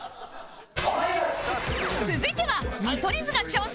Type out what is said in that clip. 続いては見取り図が挑戦